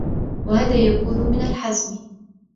وَهَذَا يَكُونُ مِنْ الْحَزْمِ